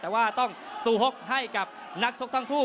แต่ว่าต้องซูฮกให้กับนักชกทั้งคู่